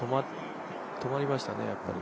止まりましたね、やっぱり。